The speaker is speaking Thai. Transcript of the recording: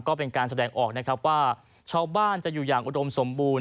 ก็เป็นการแสดงออกนะครับว่าชาวบ้านจะอยู่อย่างอุดมสมบูรณ